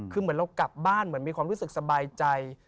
คือเหมือนเรากลับบ้านเหมือนมีความรู้สึกสบายใจ